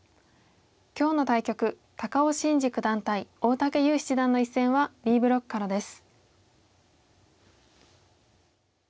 今日の対局高尾紳路九段対大竹優七段の一戦はＢブロックからです。